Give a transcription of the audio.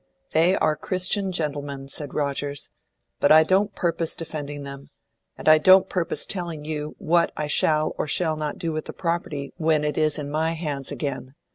"They are Christian gentlemen," said Rogers. "But I don't purpose defending them; and I don't purpose telling you what I shall or shall not do with the property when it is in my hands again.